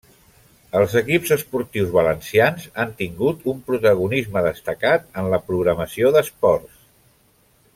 Els equips esportius valencians han tingut un protagonisme destacat en la programació d'esports.